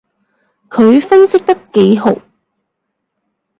佢分析得幾號